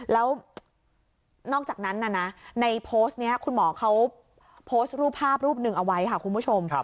แล้วนอกจากนั้นนะในโพสต์นี้คุณหมอเขาโพสต์รูปภาพรูปหนึ่งเอาไว้ค่ะคุณผู้ชม